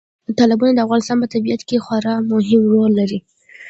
تالابونه د افغانستان په طبیعت کې خورا مهم رول لري.